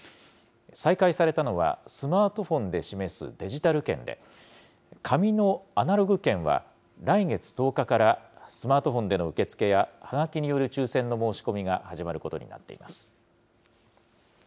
再開されたのは、スマートフォンで示すデジタル券で、紙のアナログ券は来月１０日から、スマートフォンでの受け付けや、はがきによる抽せんの申し込みが始まることになっています。